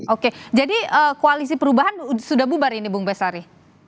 oke jadi koalisi perubahan sudah bubar ini bung basari